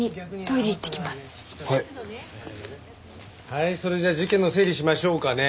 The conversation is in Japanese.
はいそれじゃあ事件の整理しましょうかね。